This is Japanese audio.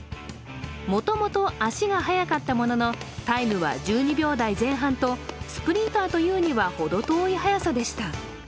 もともと足が速かったもののタイムは１２秒台前半とスプリンターというには程遠い速さでした。